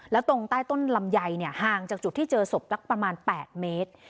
แล้วตรงใต้ต้นลำไยห่างจากจุดที่เจอศพสักประมาณ๘เมตร